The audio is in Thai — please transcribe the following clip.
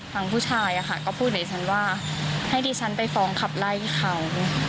ฝั่งผู้ชายอ่ะค่ะก็พูดถึงฉันว่าให้ดิฉันไปฟ้องขับไล่เขา